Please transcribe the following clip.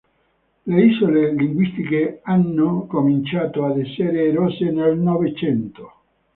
Le isole linguistiche hanno cominciato ad essere erose nel Novecento.